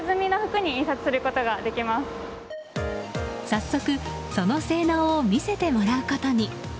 早速、その性能を見せてもらうことに。